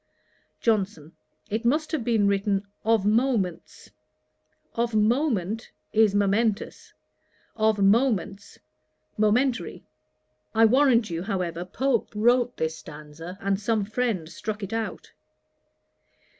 JOHNSON. 'It must have been written "of moments." Of moment, is momentous; of moments, momentary. I warrant you, however, Pope wrote this stanza, and some friend struck it out.